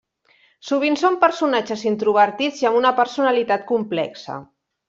Sovint són personatges introvertits i amb una personalitat complexa.